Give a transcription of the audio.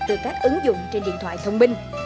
từ các ứng dụng trên điện thoại thông minh